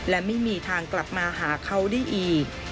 และไม่มีทางกลับมาหาเขาได้อีก